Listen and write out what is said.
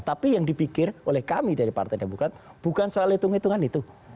tapi yang dipikir oleh kami dari partai demokrat bukan soal hitung hitungan itu